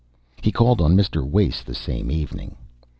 He called on Mr. Wace the same evening.